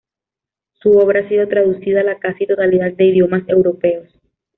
Su obra ha sido traducida a la casi totalidad de idiomas europeos.